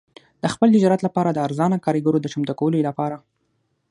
د خپل تجارت لپاره د ارزانه کارګرو د چمتو کولو لپاره.